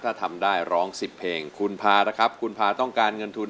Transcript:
ถ้าทำได้ร้อง๑๐เพลงคุณพานะครับคุณพาต้องการเงินทุน